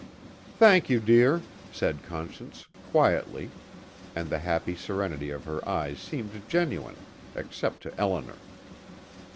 "Thank you, dear," said Conscience, quietly, and the happy serenity of her eyes seemed genuine except to Eleanor.